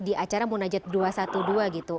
di acara munajat dua ratus dua belas gitu